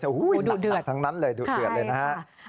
โอ้โหหนักทั้งนั้นเลยดูเดือดเลยนะฮะ